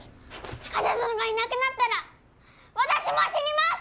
冠者殿がいなくなったら私も死にます！